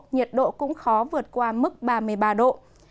nhiệt độ cũng khó vượt qua mức ba mươi ba độ